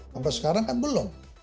sampai sekarang kan belum